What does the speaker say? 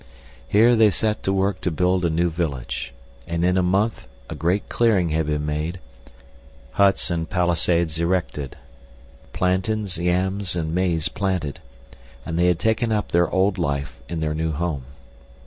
Here they set to work to build a new village, and in a month a great clearing had been made, huts and palisades erected, plantains, yams and maize planted, and they had taken up their old life in their new home.